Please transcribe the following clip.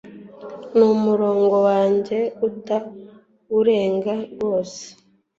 Numurongo wanjye uta wurenga rwose